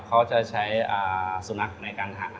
เขาจะใช้สุนัขในการหัก